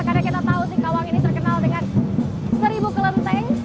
karena kita tahu sih kawang ini terkenal dengan seribu kelenteng